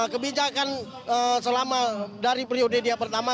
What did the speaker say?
kebijakan selama dari periode dia pertama